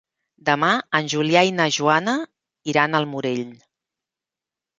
Demà en Julià i na Joana iran al Morell.